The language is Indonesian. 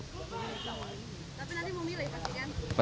tapi nanti mau milih pasti kan